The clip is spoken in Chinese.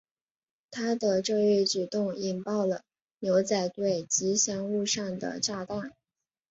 他的这一举动引爆了牛仔队吉祥物上的炸弹。